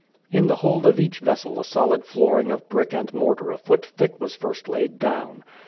In the hold of each vessel a solid flooring of brick and mortar a foot thick was first laid down.